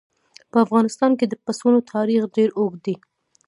په افغانستان کې د پسونو تاریخ ډېر اوږد دی.